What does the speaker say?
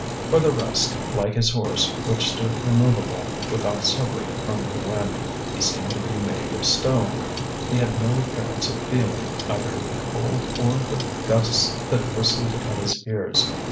For the rest, like his horse, which stood immovable, without suffering from the wind, he seemed to be made of stone; he had no appearance of feeling either the cold or the gusts that whistled at his ears.